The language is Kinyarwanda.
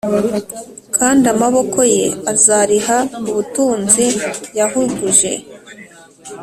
kandi amaboko ye azariha ubutunzi yahuguje